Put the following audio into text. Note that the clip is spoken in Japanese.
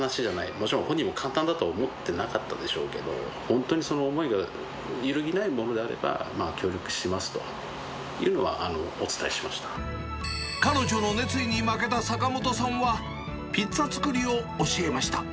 もちろん、本人も簡単だとは思ってなかったでしょうけど、本当にその思いが揺るぎないものであれば、協力しますというのは彼女の熱意に負けた坂本さんは、ピッツァ作りを教えました。